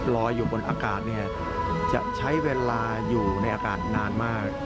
ลอยอยู่บนอากาศจะใช้เวลาอยู่ในอากาศนานมาก